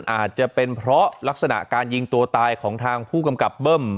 อาจจะเป็นเพราะลักษณะการยิงตัวตายของทางผู้กำกับเบิ้ม